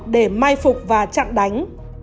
để mai phục và chặn đánh